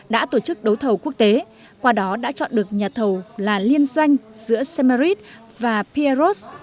đã tổ chức đấu thầu quốc tế qua đó đã chọn được nhà thầu là liên doanh giữa semarit và pierrot